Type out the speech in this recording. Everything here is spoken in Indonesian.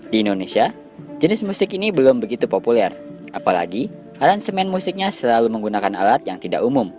di indonesia jenis musik ini belum begitu populer apalagi aransemen musiknya selalu menggunakan alat yang tidak umum